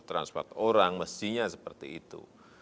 transport orang mestinya seperti itu